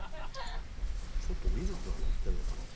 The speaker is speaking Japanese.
ちょっとミルクがのってるのかな？